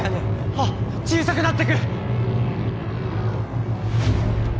あっ小さくなってく！